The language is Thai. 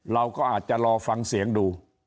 เราก็อาจจะรอฟังเสียงดู